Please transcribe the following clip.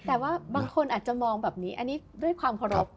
แต่ว่าบางคนอาจจะมองแบบนี้อันนี้ด้วยความเคารพ